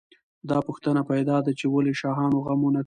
دا پوښتنه پیدا ده چې ولې شاهانو غم ونه کړ.